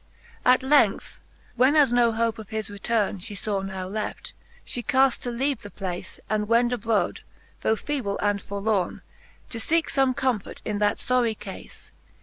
At length, when as no hope of his retourne , She faw now left, fhe caft to leave the place, And wend abrode, though feeble and forlorne. To feeke fbme comfort in that forie cafe.